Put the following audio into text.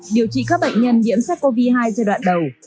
điều trị các bệnh nhân nhiễm sars cov hai giai đoạn đầu